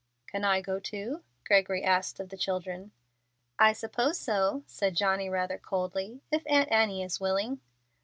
"Can I go too?" Gregory asked of the children. "I suppose so," said Johnny, rather coldly; "if Aunt Annie is willing."